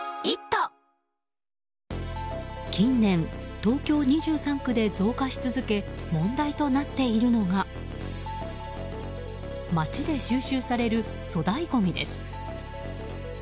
近年、東京２３区で増加し続け問題となっているのが街で収集される粗大ごみです。